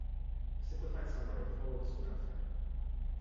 A simplified summary, followed soon after.